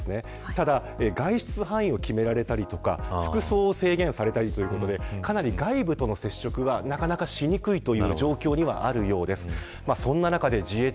ただ外出範囲を決められたりとか服装を制限されたりということでかなり外部との接触はなかなかしにくいという状況ではあるようです。